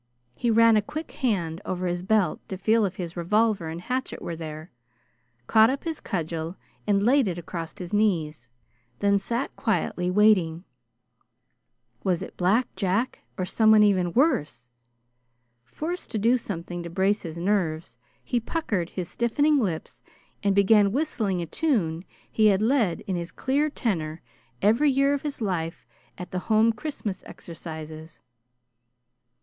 He ran a quick hand over his belt to feel if his revolver and hatchet were there, caught up his cudgel and laid it across his knees then sat quietly, waiting. Was it Black Jack, or someone even worse? Forced to do something to brace his nerves, he puckered his stiffening lips and began whistling a tune he had led in his clear tenor every year of his life at the Home Christmas exercises.